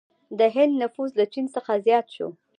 د هند نفوس له چین څخه زیات شو.